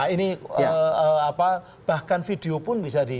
ini bahkan video pun bisa di